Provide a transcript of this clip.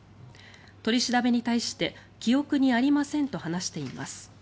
取り調べに対して記憶にありませんと話しています。